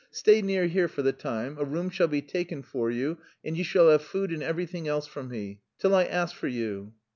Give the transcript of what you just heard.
Stay near here for the time. A room shall be taken for you and you shall have food and everything else from me... till I ask for you."